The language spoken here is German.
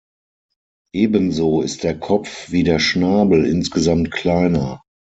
Ebenso ist der Kopf wie der Schnabel insgesamt kleiner.